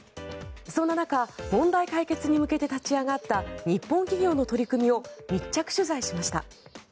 そんな中問題解決に向けて立ち上がった日本企業の取り組みを密着取材しました。